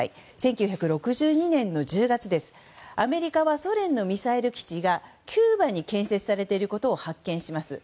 １９６２年１０月アメリカはソ連のミサイル基地がキューバに建設されていることを発見します。